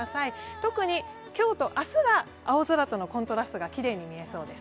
特に今日と明日は青空とのコントラストがきれいに見えそうです。